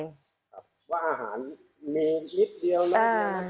ว่าอาหารเมนนิดเดียวนะ